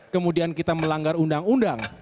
kemudian kita melanggar undang undang